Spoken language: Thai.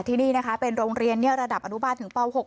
ที่นี่นะคะเป็นโรงเรียนระดับอนุบาลถึงป๖